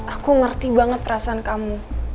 aku ngerti banget perasaan kamu